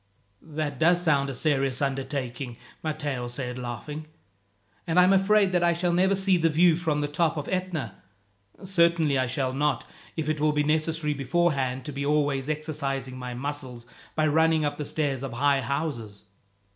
"That does sound a serious undertaking," Matteo said, laughing; "and I am afraid that I shall never see the view from the top of Etna. Certainly I shall not, if it will be necessary beforehand to be always exercising my muscles by running up the stairs of high houses."